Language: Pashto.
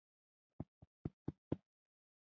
واکمنان د خپل اقتصاد بیا تنظیم په فکر کې شول.